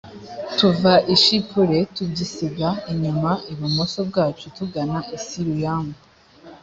tuva i shipure tugisiga inyuma ibumoso bwacu tugana i siriyamu